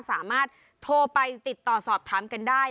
สามารถโทรไปติดต่อสอบถามกันได้